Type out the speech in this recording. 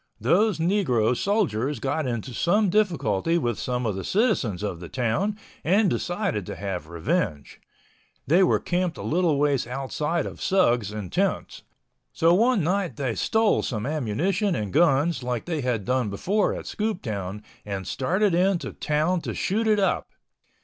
Those negro soldiers got into some difficulty with some of the citizens of the town and decided to have revenge. They were camped a little ways outside of Sugs in tents. So one night they stole some ammunition and guns like they had done before at Scooptown, and started in to town to shoot it up.